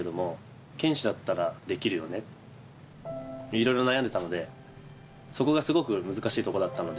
いろいろ悩んでたのでそこがすごく難しいとこだったので。